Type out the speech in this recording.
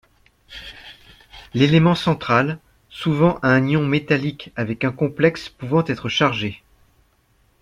L'élément central, souvent un ion métallique avec un complexe pouvant être chargé.